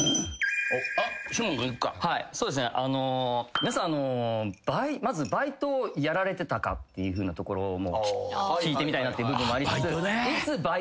皆さんバイトをやられてたかっていうところも聞いてみたいなって部分もありつつ。